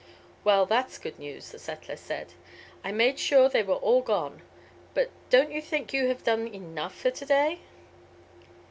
"Well, that's good news," the settler said. "I made sure they were all gone. But don't you think you have done enough for to day?"